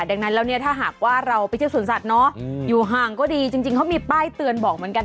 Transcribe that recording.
ดังนั้นแล้วเนี่ยถ้าหากว่าเราไปเที่ยวสวนสัตว์อยู่ห่างก็ดีจริงเขามีป้ายเตือนบอกเหมือนกัน